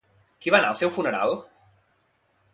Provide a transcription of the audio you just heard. Qui va anar al seu funeral?